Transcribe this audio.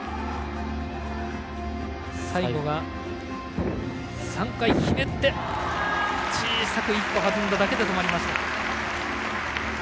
最後は３回ひねって小さく１歩弾んだだけで止まりました。